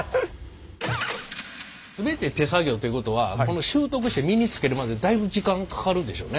全て手作業ってことは習得して身につけるまでだいぶ時間かかるでしょうね。